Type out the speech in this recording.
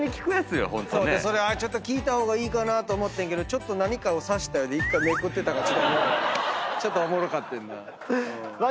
聞いた方がいいかなと思ったけどちょっと何かを察したようで１回めくってたからちょっとおもろかってんな。